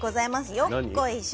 よっこいしょ。